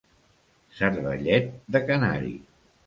Cervellet de canari.